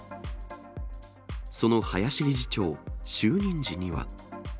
その林理事長、就任時には。